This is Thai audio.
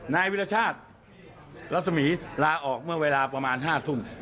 นายวิรชาติรัศมีร์ลาออกเมื่อเวลาประมาณ๕ทุ่ม